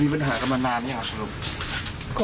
มีปัญหากันมานานไหมครับสรุป